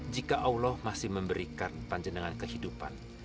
jika allah masih memberikan panjenengan kehidupan